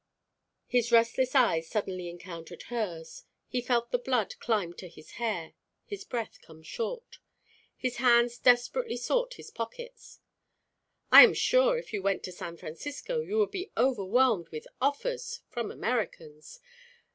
His restless eyes suddenly encountered hers. He felt the blood climb to his hair, his breath come short. His hands desperately sought his pockets. "I am sure, if you went to San Francisco, you would be overwhelmed with offers from Americans.